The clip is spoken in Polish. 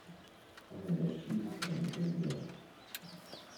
"O młodości i wychowaniu Oliwera."